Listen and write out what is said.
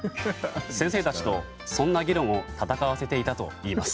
先生たちとそんな議論を戦わせていたといいます。